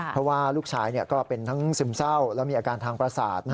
เพราะว่าลูกชายก็เป็นทั้งซึมเศร้าแล้วมีอาการทางประสาท